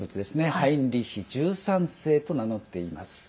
ハインリヒ１３世と名乗っています。